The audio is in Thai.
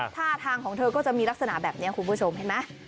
ท่าทางของเธอก็จะมีลักษณะแบบนี้คุณผู้ชมเห็นไหม